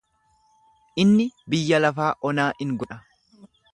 Inni biyya lafaa onaa in godha.